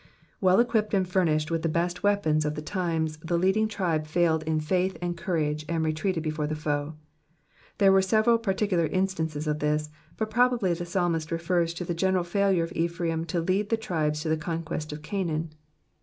'*'' Well equipped and furnished with the best weapons of the tinn s, the leading tribe failed in faith and coura^ and retreated before the foe. There were several particular instances of this, but probably the psalmist refers to the creneral failure of Ephrafm to lead the tribies to the conquest of Canaan.